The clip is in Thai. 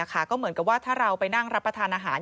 ก็เหมือนกับว่าถ้าเราไปนั่งรับประทานอาหาร